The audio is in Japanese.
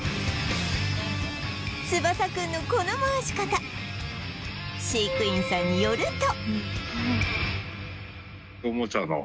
ツバサくんのこの回し方飼育員さんによると